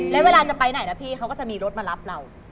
แล้วเวลาจะไปไหนนะพี่เขาก็จะมีรถมารับเรา